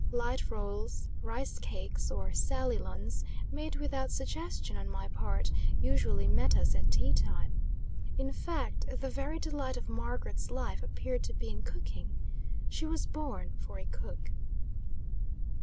Light rolls, rice cakes, or "Sally Luns," made without suggestion on my part usually met us at tea time. In fact, the very delight of Margaret's life appeared to be in cooking. She was born for a cook.